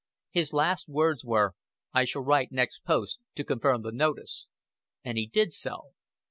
His last words were: "I shall write next post to confirm the notice." And he did so.